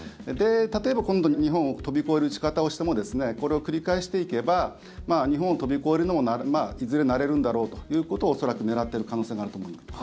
例えば今度日本を飛び越える撃ち方をしてもこれを繰り返していけば日本を飛び越えるのもいずれ、慣れるんだろうということを恐らく狙ってる可能性があると思います。